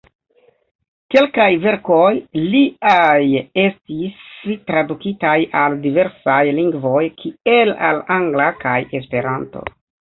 Kelkaj verkoj liaj estis tradukitaj al diversaj lingvoj, kiel al angla kaj Esperanto.